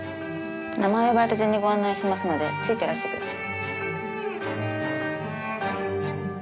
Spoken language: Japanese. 名前を呼ばれた順にご案内しますのでついてらしてください。